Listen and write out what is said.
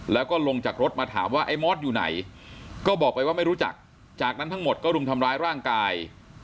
แล้วก็ลงจากรถมาถามว่าไอ้มอสอยู่ไหนก็บอกไปว่าไม่รู้จักจากนั้นทั้งหมดก็รุมทำร้ายร่างกาย